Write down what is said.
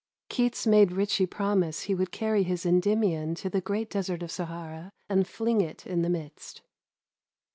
Keats made Ritchie promise he would carry his Endymion to the great desert of Sahara, and fling it in the midst.